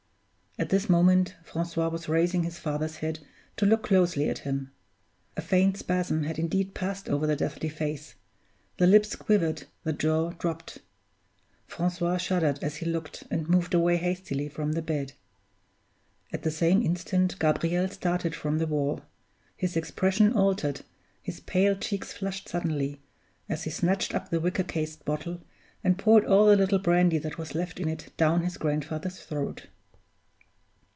At this moment, Francois was raising his father's head to look closely at him. A faint spasm had indeed passed over the deathly face; the lips quivered, the jaw dropped. Francois shuddered as he looked, and moved away hastily from the bed. At the same instant Gabriel started from the wall; his expression altered, his pale cheeks flushed suddenly, as he snatched up the wicker cased bottle, and poured all the little brandy that was left in it down his grandfather's throat.